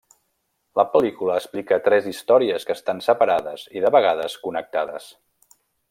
La pel·lícula explica tres històries que estan separades i de vegades connectades.